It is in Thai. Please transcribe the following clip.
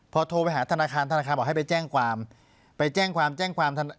พอโทรไปหาธนาคารธนาคารบอกให้ไปแจ้งความไปแจ้งความแจ้งความ